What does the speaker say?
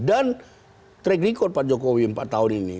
dan track record pak jokowi empat tahun ini